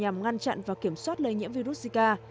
nhiều người đã bị bắt chặn và kiểm soát lây nhiễm virus zika